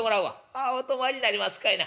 「ああお泊まりになりますかいな。